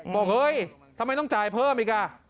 บอกเฮ้ยทำไมต้องจ่ายเพิ่มอีกอ่ะ